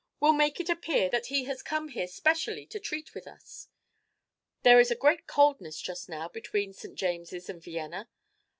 We 'll make it appear that he has come here specially to treat with us. There is a great coldness just now between St. James's and Vienna.